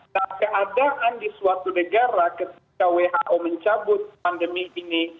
nah keadaan di suatu negara ketika who mencabut pandemi ini